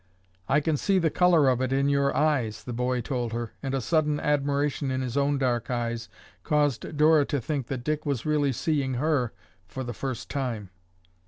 "I can see the color of it in your eyes," the boy told her, and a sudden admiration in his own dark eyes caused Dora to think that Dick was really seeing her for the first time.